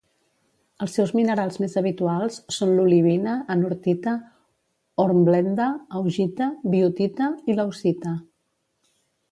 Els seus minerals més habituals són l'olivina, anortita, hornblenda, augita, biotita i leucita.